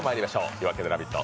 「夜明けのラヴィット！」